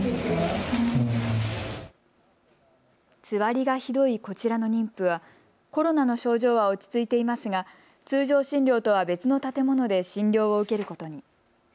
つわりがひどいこちらの妊婦はコロナの症状は落ち着いていますが通常診療とは別の建物で診療を受けることに。